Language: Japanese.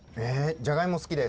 じゃがいも好きです。